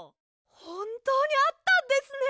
ほんとうにあったんですね！